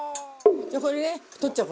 じゃあこれね取っちゃおう